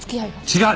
違う！